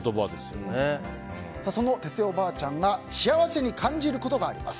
その哲代おばあちゃんが幸せに感じることがあります。